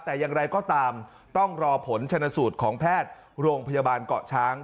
แต่อย่างไรก็ตามต้องรอผลชนสูตรของแพทย์โรงพยาบาลเกาะช้าง